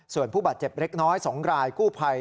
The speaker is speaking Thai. ส่วนผู้บาดเจ็บเล็กน้อย๒รายกู้ภัย